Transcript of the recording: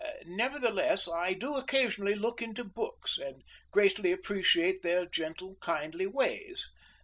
Nevertheless, I do occasionally look into books, and greatly appreciate their gentle, kindly ways.